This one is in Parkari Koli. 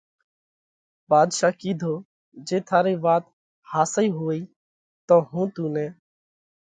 ڀاڌشا ڪِيڌو: جي ٿارئي وات ۿاسئِي هوئِي تو هُون تُون نئہ،